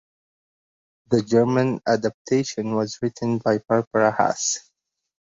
The German adaptation was written by Barbara Hass.